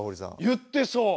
言ってそう！